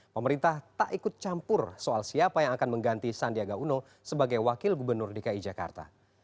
pemerintah tak ikut campur soal siapa yang akan mengganti sandiaga uno sebagai wakil gubernur dki jakarta